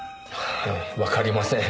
わかりません。